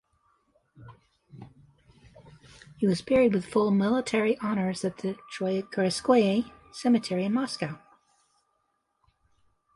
He was buried with full military honors at the Troyekurovskoye Cemetery in Moscow.